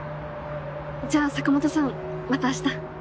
じゃあ坂本さんまたあした。